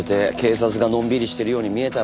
警察がのんびりしてるように見えたら。